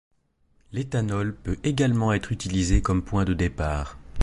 L'éthanol peut également être utilisé comme point de départ.